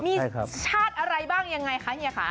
ใช่ครับใช่ครับมีชาติอะไรบ้างยังไงคะเฮียคะ